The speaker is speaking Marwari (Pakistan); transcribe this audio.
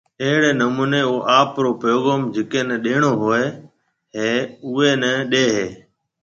اهڙيَ نمونيَ او آپرو پيغوم جڪي ني ڏيڻو هوئيَ هيَ اوئيَ نيَ ڏيَ هيَ